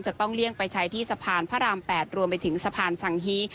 ต้องเลี่ยงไปใช้ที่สะพานพระราม๘รวมไปถึงสะพานสังฮี